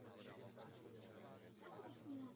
Režie se ujal Dexter Fletcher.